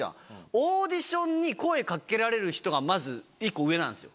オーディションに声かけられる人がまず１個上なんですよ